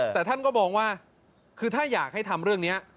แต่ท่านก็มองว่าคือถ้าอยากให้ทำเรื่องนี้